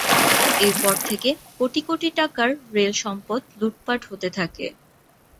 এরপর থেকে কোটি কোটি টাকার রেল সম্পদ লুটপাট হতে থাকে।